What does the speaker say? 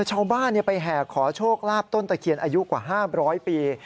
ชาวบ้านไปแห่ขอโชคลาภต้นตะเคียนอายุกว่า๕๐๐ปี